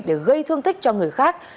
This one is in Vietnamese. để gây thương tích cho người khác